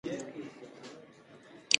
هېواد ته قرباني ورکول افتخار دی